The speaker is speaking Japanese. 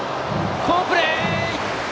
好プレー！